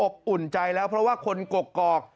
อุ่นใจแล้วเพราะว่าคนกกอก